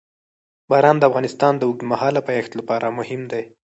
باران د افغانستان د اوږدمهاله پایښت لپاره مهم دی.